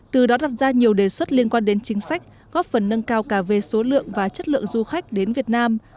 từ đó đặt ra nhiều đề xuất liên quan đến chính sách góp phần nâng cao cả về số lượng và chất lượng du khách đến việt nam